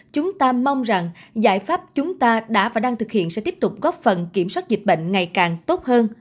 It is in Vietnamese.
chúng ta mong rằng giải pháp chúng ta đã và đang thực hiện sẽ tiếp tục góp phần kiểm soát dịch bệnh ngày càng tốt hơn